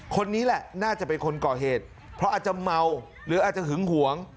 คนนี้แหละน่าจะเป็นคนก่อเหตุเพราะอาจจะเมาหรืออาจจะหึงหวง